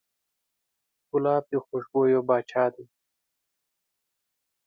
ګلاب د خوشبویو پاچا دی.